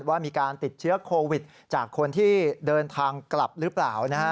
ว่ามีการติดเชื้อโควิดจากคนที่เดินทางกลับหรือเปล่า